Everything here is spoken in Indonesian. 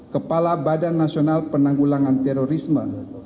kepala badan nasional penanggulangan terorisme